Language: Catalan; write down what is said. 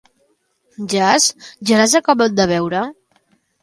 Jas... ja l'has acabat de veure.